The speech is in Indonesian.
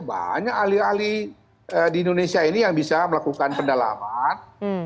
banyak ahli ahli di indonesia ini yang bisa melakukan pendalaman